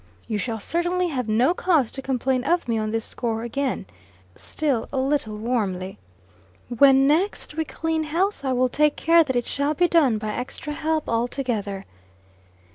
"You shall certainly have no cause to complain of me on this score again," she said, still a little warmly. "When next we clean house, I will take care that it shall be done by extra help altogether."